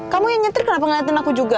kamu yang nyeter kenapa ngeliatin aku juga